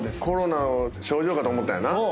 コロナの症状かと思ったんやな